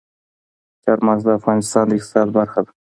چار مغز د افغانستان د اقتصاد برخه ده.